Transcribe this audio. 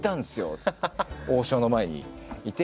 っつって王将の前にいて。